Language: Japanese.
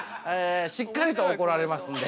しっかりと怒られますんで。